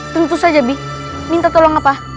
tentu saja bi minta tolong apa